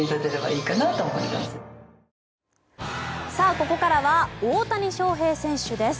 ここからは大谷翔平選手です。